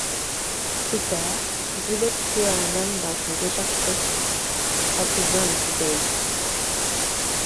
Plus tard, Bullet tua un homme dans une décharge toxique, accusant les écologistes.